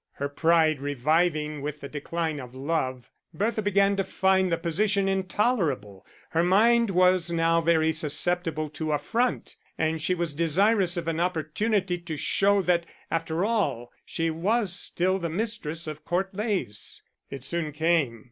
Her pride reviving with the decline of love, Bertha began to find the position intolerable; her mind was now very susceptible to affront, and she was desirous of an opportunity to show that after all she was still the mistress of Court Leys. It soon came.